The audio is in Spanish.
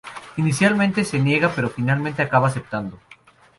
Inicialmente se niega pero finalmente acaba aceptando.